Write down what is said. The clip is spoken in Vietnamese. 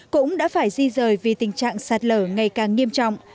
cũng đã phải di rời vì tình trạng sạt lở ngày càng nghiêm trọng